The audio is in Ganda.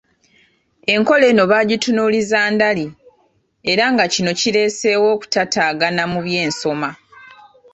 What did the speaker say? Enkola eno baagitunuuliza ndali era nga kino kireseewo okutataagana mu by’ensoma